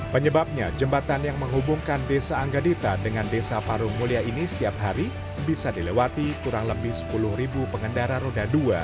penyebabnya jembatan yang menghubungkan desa anggadita dengan desa parung mulia ini setiap hari bisa dilewati kurang lebih sepuluh pengendara roda dua